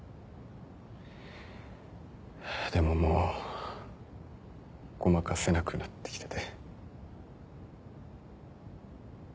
でももうごまかせなくなってきてて。